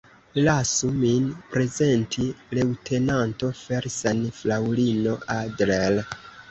Lasu min prezenti: leŭtenanto Felsen fraŭlino Adler.